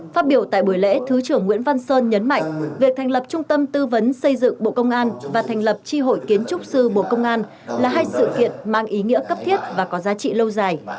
phát biểu tại buổi lễ thứ trưởng nguyễn văn sơn nhấn mạnh việc thành lập trung tâm tư vấn xây dựng bộ công an và thành lập tri hội kiến trúc sư bộ công an là hai sự kiện mang ý nghĩa cấp thiết và có giá trị lâu dài